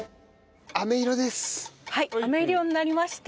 はい飴色になりました。